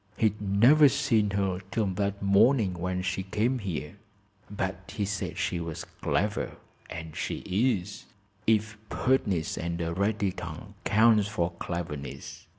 He'd never seen her 'till that morning when she came here. But he said she was clever, and she is, if pertness and a ready tongue counts for cleverness.